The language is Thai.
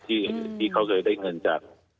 ที่เขาเคยได้เงินจาก